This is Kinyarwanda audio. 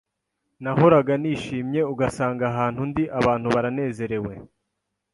nahoraga nishimye ugasanga ahantu ndi abantu baranezerewe.